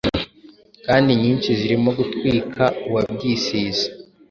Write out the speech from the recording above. kandi nyinshi zirimo gutwika uwabyisize